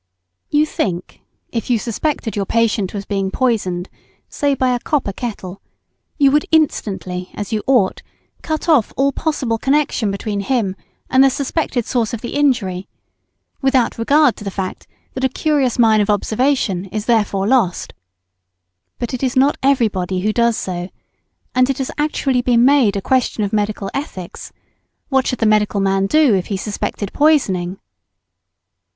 You think, if you suspected your patient was being poisoned, say, by a copper kettle, you would instantly, as you ought, cut off all possible connection between him and the suspected source of injury, without regard to the fact that a curious mine of observation is thereby lost. But it is not everybody who does so, and it has actually been made a question of medical ethics, what should the medical man do if he suspected poisoning?